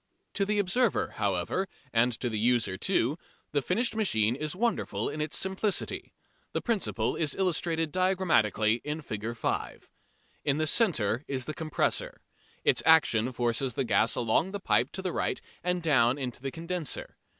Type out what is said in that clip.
To the observer, however, and to the user too, the finished machine is wonderful in its simplicity. The principle is illustrated diagrammatically in Fig. 5. In the centre is the compressor. Its action forces the gas along the pipe to the right and down into the condenser.